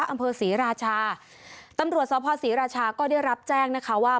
อำเภอศรีราชาตำรวจสภศรีราชาก็ได้รับแจ้งนะคะว่า